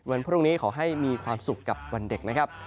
วันพรุ่งนี้ขอให้มีความสุขกับวันเด็กนะครับ